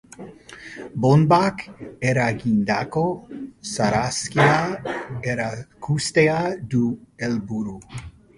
Bonbak eragindako sarraskia erakustea du helburu.